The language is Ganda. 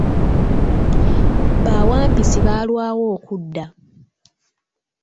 Bawampisi baalwawo okudda.